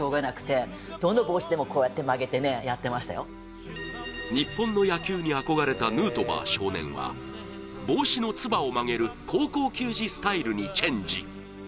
すごい。日本の野球に憧れたヌートバー少年は、帽子のつばを曲げる高校球児スタイルにチェンジ。